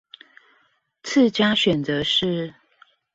次佳選擇是